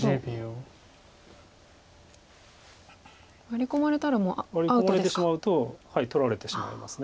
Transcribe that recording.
ワリ込まれてしまうと取られてしまいます。